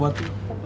buat saya bu julia